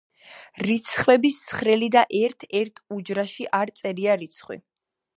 რიცხვების ცხრილი და ერთ-ერთ უჯრაში არ წერია რიცხვი.